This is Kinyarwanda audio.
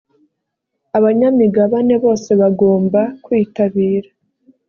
abanyamigabane bose bagomba kwitabira.